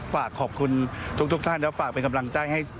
ฝากขอบคุณทุกท่านแล้วฝากเป็นกำลังใจให้